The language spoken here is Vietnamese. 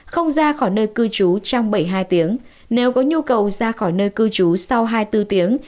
không ra khỏi nơi cư trú trong bảy mươi hai tiếng nếu có nhu cầu ra khỏi nơi cư trú sau hai mươi bốn tiếng